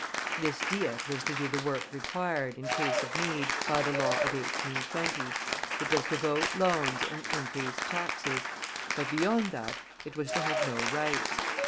This Diet was to do the work required, in case of need, by the law of 1820; it was to vote loans and increased taxes, but beyond that it was to have no rights.